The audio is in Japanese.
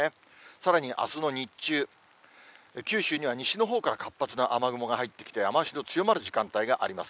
さらにあすの日中、九州には西のほうから活発な雨雲が入ってきて、雨足の強まる時間帯があります。